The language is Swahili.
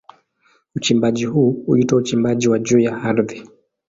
Uchimbaji huu huitwa uchimbaji wa juu ya ardhi.